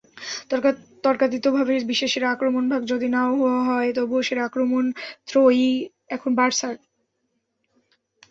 তর্কাতীতভাবে বিশ্বের সেরা আক্রমণভাগ যদি না-ও হয়, তবুও সেরা আক্রমণত্রয়ী এখন বার্সার।